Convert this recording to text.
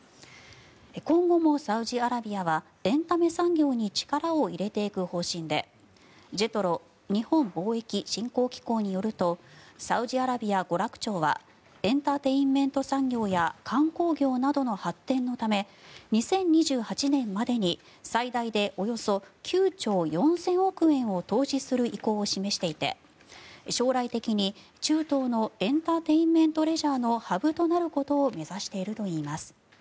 今後もサウジアラビアはエンタメ産業に力を入れていく方針でＪＥＴＲＯ・日本貿易振興機構によるとサウジアラビア娯楽庁はエンターテインメント産業や観光業などの発展のため２０２８年までに最大でおよそ９兆４０００億円を投資する意向を示していて将来的に中東のエンターテインメント・レジャーのハブとなることを目指しているといいます。